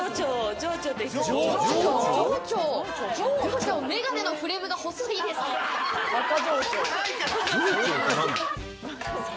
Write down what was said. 上長、眼鏡のフレームが細いですね。